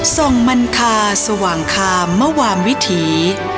ส่งมันคาสว่างคามมวามวิถี